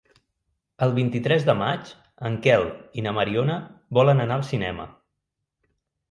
El vint-i-tres de maig en Quel i na Mariona volen anar al cinema.